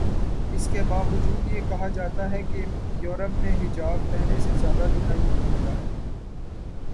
اس کے باوجود یہ کہا جاتاہے کہ یورپ میں حجاب پہلے سے زیادہ دکھائی دینے لگا ہے۔